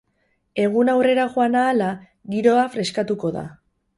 Eguna aurrera joan ahala, giroa freskatuko da.